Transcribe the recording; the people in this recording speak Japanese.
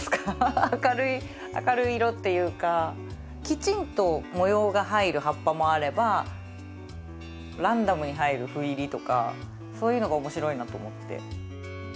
きちんと模様が入る葉っぱもあればランダムに入る斑入りとかそういうのが面白いなと思って。